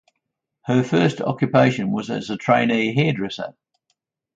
Her first occupation was as a trainee hairdresser.